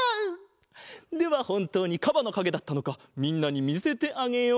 ではほんとうにかばのかげだったのかみんなにみせてあげよう！